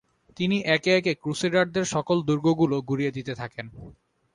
তিনি একে একে ক্রুসেডারদের সকল দুর্গগুলো গুঁড়িয়ে দিতে থাকেন।